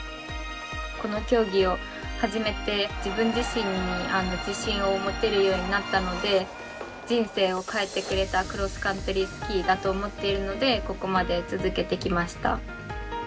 この競技を始めて、自分自身に自信を持てるようになったので人生を変えてくれたクロスカントリースキーだと思っているのでここまで続けてきました。